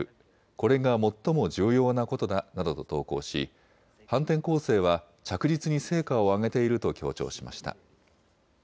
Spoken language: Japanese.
これが最も重要なことだなどと投稿し反転攻勢は着実に成果を上げていると強調しました。